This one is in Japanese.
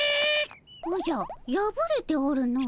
おじゃやぶれておるの。